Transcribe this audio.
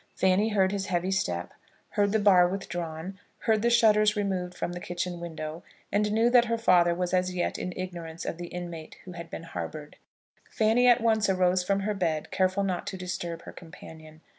Fanny heard his heavy step, heard the bar withdrawn, heard the shutters removed from the kitchen window, and knew that her father was as yet in ignorance of the inmate who had been harboured. Fanny at once arose from her bed, careful not to disturb her companion.